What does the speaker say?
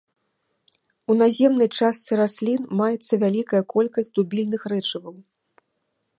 У наземнай частцы раслін маецца вялікая колькасць дубільных рэчываў.